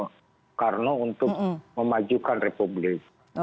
kaliwondo kata bung karno untuk memajukan republik